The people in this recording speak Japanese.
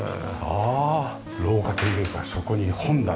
ああ廊下というかそこに本棚。